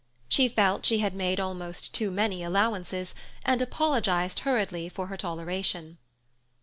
She felt she had made almost too many allowances, and apologized hurriedly for her toleration.